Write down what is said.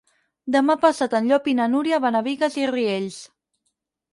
Demà passat en Llop i na Núria van a Bigues i Riells.